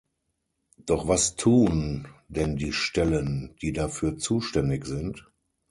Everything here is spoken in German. Doch was tun denn die Stellen, die dafür zuständig sind?